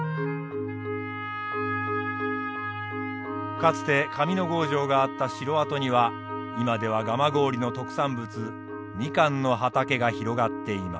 かつて上ノ郷城があった城跡には今では蒲郡の特産物みかんの畑が広がっています。